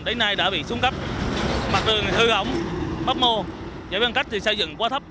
đến nay đã bị xuống cấp mặt đường hư hỏng bấp mô giải phân cách thì xây dựng quá thấp